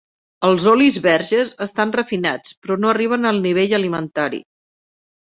Els olis verges estan refinats, però no arriben al nivell alimentari.